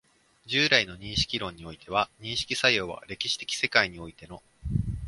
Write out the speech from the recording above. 従来の認識論においては、認識作用を歴史的世界においての